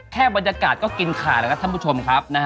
แค่บรรยากาศก็กินขาดนะครับท่านผู้ชมครับนะฮะ